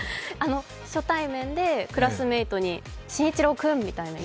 初対面でクラスメートに紳一郎君みたいな。